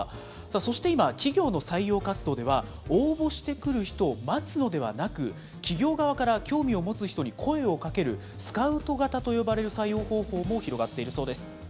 そして今、企業の採用活動では、応募してくる人を待つのではなく、企業側から興味を持つ人に声をかける、スカウト型と呼ばれる採用方法も広がっているそうです。